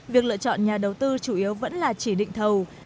việc lựa chọn nhà đầu tư chủ yếu vẫn là chỉ định thầu